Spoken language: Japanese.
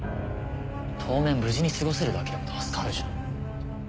当面無事に過ごせるだけでも助かるじゃん。